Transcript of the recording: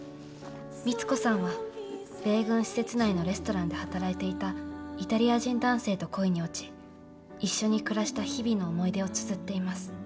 光子さんは米軍施設内のレストランで働いていたイタリア人男性と恋に落ち一緒に暮らした日々の思い出をつづっています。